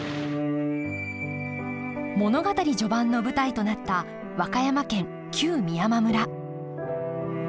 物語序盤の舞台となった和歌山県旧美山村。